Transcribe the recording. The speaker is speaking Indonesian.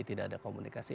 tidak ada komunikasi